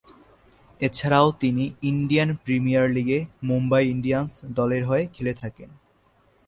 এছাড়াও তিনি Indian Premier লীগে মুম্বাই ইন্ডিয়ান্স দলের হয়ে খেলে থাকেন।